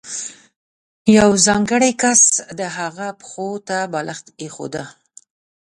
یو ځانګړی کس د هغه پښو ته بالښت ایښوده.